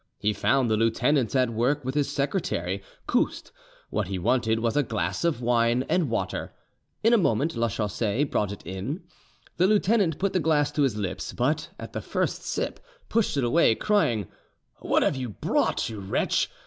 He found the lieutenant at work with his secretary, Couste what he wanted was a glass of wine and water. In a moment Lachaussee brought it in. The lieutenant put the glass to his lips, but at the first sip pushed it away, crying, "What have you brought, you wretch?